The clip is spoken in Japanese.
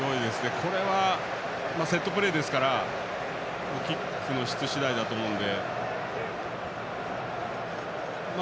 これはセットプレーですからキックの質次第だと思うので。